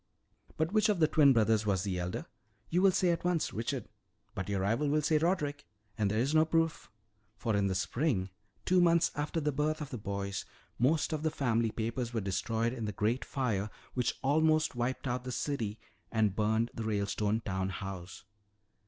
"But which of the twin brothers was the elder? You will say at once, Richard. But your rival will say Roderick. And there is no proof. For in the spring, two months after the birth of the boys, most of the family papers were destroyed in the great fire which almost wiped out the city and burned the Ralestone town house.